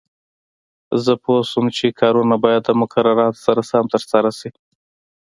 زه پوه شوم چې کارونه باید د مقرراتو سره سم ترسره شي.